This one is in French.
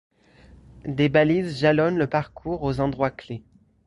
Des balises jalonnent le parcours aux endroits clés.